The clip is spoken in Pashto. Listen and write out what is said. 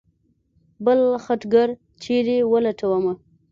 بل خټګر چېرې ولټومه.